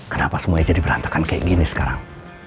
kenapa semuanya jadi berantakan kayak gini sekarang